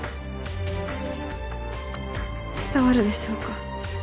伝わるでしょうか？